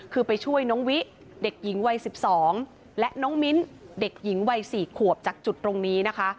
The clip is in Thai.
คือไปช่วยน้องวิเด็กหญิงวัย๑๒และน้องมิ้นเด็กหญิงวัย๔ขวบจากจุดตรงนี้นะคะ